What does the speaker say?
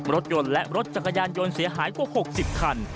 รถยนต์และรถจักรยานยนต์เสียหายกว่า๖๐คัน